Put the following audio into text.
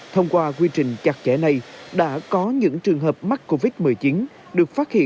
thông qua quy trình chặt chẽ này đã có những trường hợp mắc covid một mươi chín